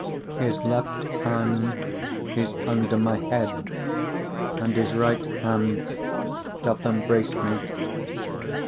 2:6 His left hand is under my head, and his right hand doth embrace me.